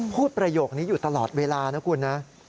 ประโยคนี้อยู่ตลอดเวลานะคุณนะ